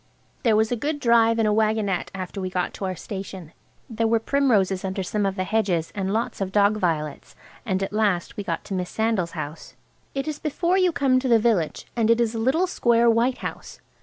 There was a good drive in a waggonette after we got to our station. There were primroses under some of the hedges, and lots of dog violets. And at last we got to Miss Sandal's house. It is before you come to the village, and it is a little square white house.